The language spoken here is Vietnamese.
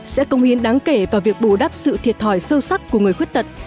sẽ công hiến đáng kể vào việc bù đắp sự thiệt thòi sâu sắc của người khuyết tật